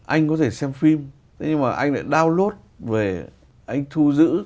anh có thể xem phim thế nhưng mà anh lại download về anh thu giữ